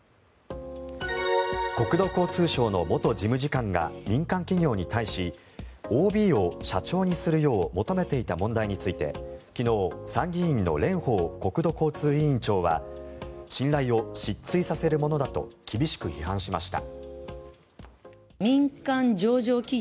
国土交通省の元事務次官が民間企業に対しＯＢを社長にするよう求めていた問題について昨日参議院の蓮舫国土交通委員長は信頼を失墜させるものだと厳しく批判しました。